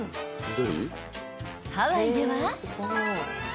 ［ハワイでは］